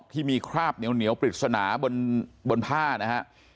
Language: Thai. ที่มีคราบเหนียวปริศนาบนผ้านะฮะ